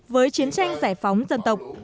với chiến tranh giải phóng dân tộc